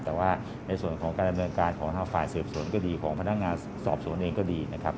แต่ว่าในส่วนของการดำเนินการของทางฝ่ายสืบสวนก็ดีของพนักงานสอบสวนเองก็ดีนะครับ